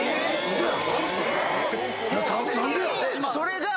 嘘や！